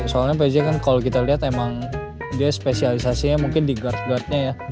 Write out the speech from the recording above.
soalnya pj kan kalau kita lihat emang dia spesialisasinya mungkin di guard guardnya ya